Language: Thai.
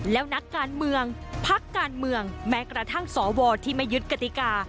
แล้วนักการเมืองพักการเมืองแม้กระทั่งสวที่ไม่ยึดกติกา